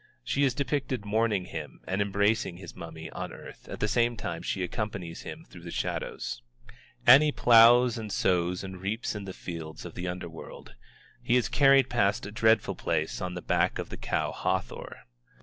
She is depicted mourning him and embracing his mummy on earth at the same time she accompanies him through the shadows. Ani ploughs and sows and reaps in the fields of the underworld. He is carried past a dreadful place on the back of the cow Hathor.